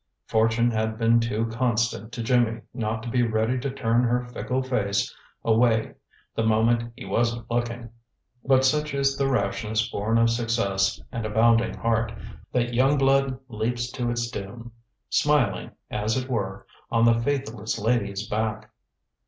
Fortune had been too constant to Jimmy not to be ready to turn her fickle face away the moment he wasn't looking. But such is the rashness born of success and a bounding heart, that young blood leaps to its doom, smiling, as it were, on the faithless lady's back.